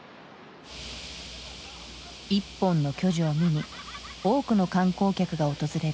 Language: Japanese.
一本の巨樹を見に多くの観光客が訪れる。